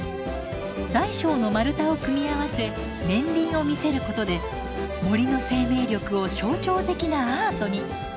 大小の丸太を組み合わせ年輪を見せることで森の生命力を象徴的なアートに。